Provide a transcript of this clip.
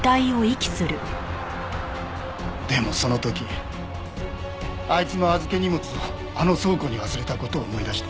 でもその時あいつの預け荷物をあの倉庫に忘れた事を思い出して。